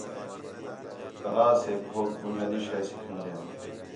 کلاس ہِک ایک ہوک بنیادی شے سکھین٘دِن